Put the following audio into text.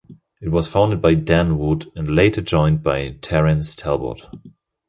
It was founded by Dan Wood and later joined by Terrence Talbot.